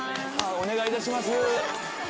お願い致します。